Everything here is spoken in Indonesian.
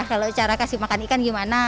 kalau cara kasih makan ikan gimana